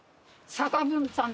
坂文さん？